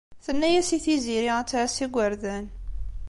Tenna-as i Tiziri ad tɛass igerdan.